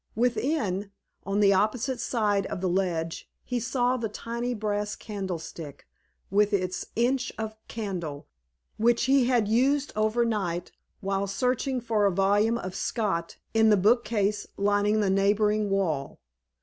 Within, on the opposite side of the ledge, he saw the tiny brass candlestick with its inch of candle which he had used over night while searching for a volume of Scott in the book case lining the neighboring wall.